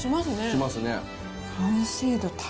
しますね。